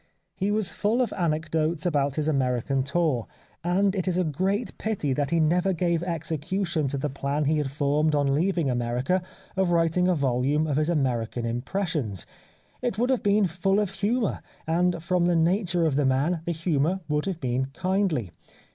He was full of anecdotes about his American tour, and it is a great pity that he never gave execution to the plan he had 226 The Life of Oscar Wilde formed on leaving America of writing a volume of his American impressions. It would have been full of humour, and from the nature of the man the humour would have been kindly.